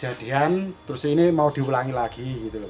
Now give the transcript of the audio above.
kejadian terus ini mau diulangi lagi